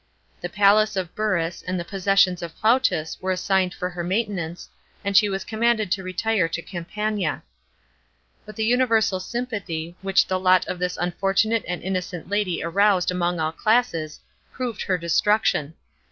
Th^ palace of Burrus and the possessions of Plautus were assigned for her maintenance, and she was commanded to retire to Campania. But the universal sympathy, which the lot of thin unfortunate and innocent lady aroused among all classes, proved her destruction.